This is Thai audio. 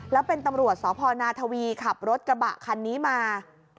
แล้วเป็นตำรวจสพนาทวีขับรถกระบะคันนี้มา